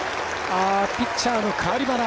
ピッチャーの代わり端。